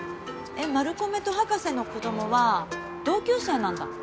マルコメと博士の子どもは同級生なんだ。